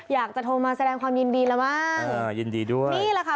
อยากจะโทรมาแสดงความยินดีแล้วมั้งเออยินดีด้วยนี่แหละค่ะ